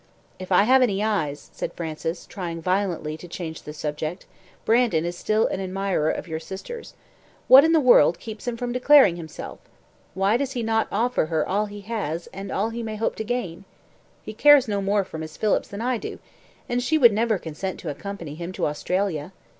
"If I have any eyes," said Francis, trying violently to change the subject, "Brandon is still an admirer of your sister's. What in the world keeps him from declaring himself? Why does he not offer her all he has, and all he may hope to gain? He cares no more for Miss Phillips than I do, and she would never consent to accompany him to Australia.